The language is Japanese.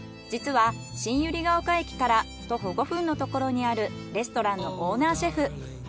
実は新百合ヶ丘駅から徒歩５分のところにあるレストランのオーナーシェフ。